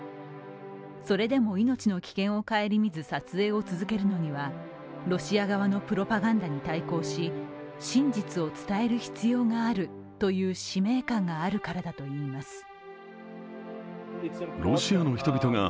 それでも命の危険を顧みず撮影を続けるのには、ロシア側のプロパガンダに対抗し真実を伝える必要があるという使命感があるからだといいます。